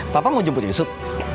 papa mau jemput yusuf